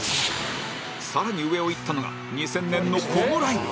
更に上をいったのが２０００年のこのライブ